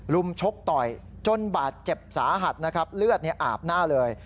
มชกต่อยจนบาดเจ็บสาหัสนะครับเลือดอาบหน้าเลย